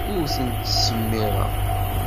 Ur tent-ttsemmiṛeɣ.